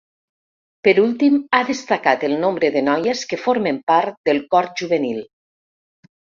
Per últim, ha destacat el nombre de noies que formen part del cor juvenil.